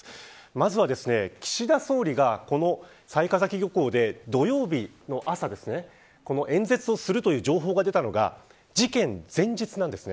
まずは岸田総理が雑賀崎漁港で土曜日の朝演説をするという情報が出たのが事件前日なんです。